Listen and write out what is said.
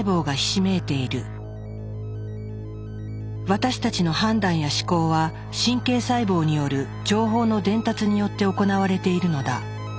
私たちの判断や思考は神経細胞による情報の伝達によって行われているのだ。